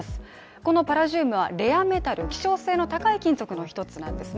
このパラジウムはレアメタル、希少性の高い金属なんですね。